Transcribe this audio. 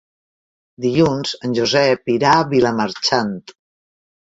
Dilluns en Josep irà a Vilamarxant.